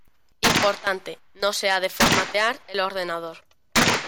Importante: No se ha de formatear el ordenador.